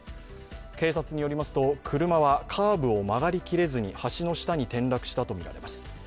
警察によりますと、車はカーブを曲がり切れずに橋の下に転落したとみられます。